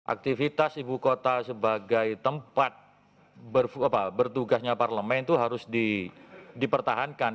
aktivitas ibu kota sebagai tempat bertugasnya parlemen itu harus dipertahankan